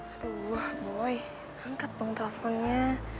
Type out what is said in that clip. aduh boy angkat dong teleponnya